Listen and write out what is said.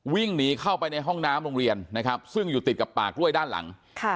วิ่งหนีเข้าไปในห้องน้ำโรงเรียนนะครับซึ่งอยู่ติดกับป่ากล้วยด้านหลัง